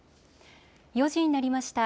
４時になりました。